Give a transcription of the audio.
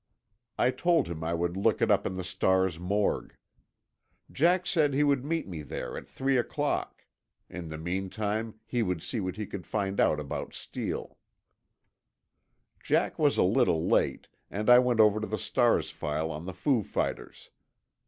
I told him I would look it up in the Star's morgue. Jack said he would meet me there at three o'clock; in the meantime he would see what he could find out about Steele. Jack was a little late, and I went over the Star's file on the foo fighters.